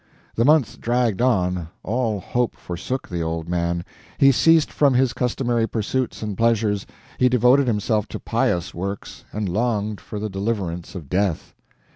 The months dragged on, all hope forsook the old man, he ceased from his customary pursuits and pleasures, he devoted himself to pious works, and longed for the deliverance of death.